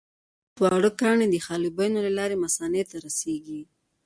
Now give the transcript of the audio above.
ځینې وخت واړه کاڼي د حالبینو له لارې مثانې ته رسېږي.